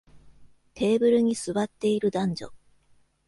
テーブルに座っている男女